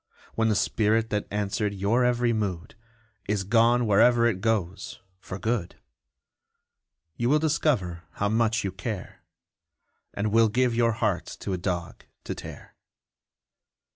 When the spirit that answered your every mood Is gone wherever it goes for good, You will discover how much you care, And will give your heart to a dog to tear!